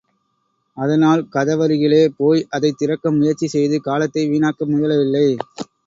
அதனால் கதவருகிலே போய் அதைத் திறக்க முயற்சி செய்து காலத்தை வீணாக்க முயலவில்லை.